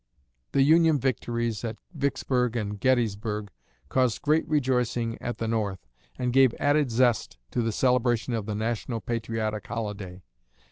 '" The Union victories at Vicksburg and Gettysburg caused great rejoicing at the North, and gave added zest to the celebration of the national patriotic holiday.